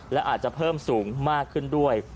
และอาจจะเพิ่มสูงมากขึ้นด้วย